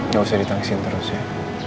gak usah ditangisin terus ya